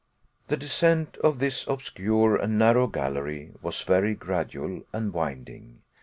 The descent of this obscure and narrow gallery was very gradual and winding.